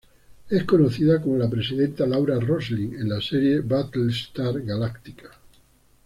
Es conocida como la Presidente Laura Roslin en la serie "Battlestar Galactica".